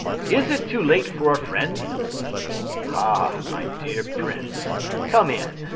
"Is it too late for a friend?" "Ah! my dear prince, come in!"